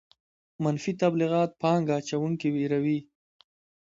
منفي تبلیغات پانګه اچوونکي ویروي.